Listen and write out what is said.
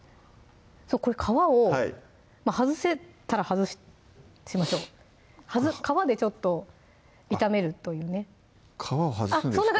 これ皮を外せたら外しましょう皮でちょっと炒めるというね皮を外すんですか？